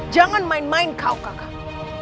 jangan main main kau kakang